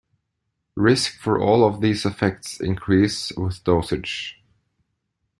Risk for all of these effects increases with dosage.